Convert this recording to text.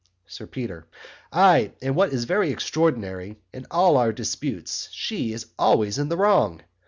SIR PETER. Aye and what is very extraordinary in all our disputes she is always in the wrong!